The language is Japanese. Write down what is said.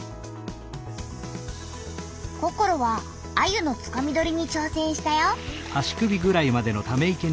ココロはアユのつかみ取りにちょうせんしたよ。